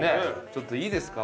ちょっといいですか？